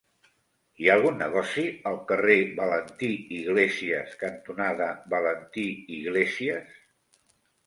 Hi ha algun negoci al carrer Valentí Iglésias cantonada Valentí Iglésias?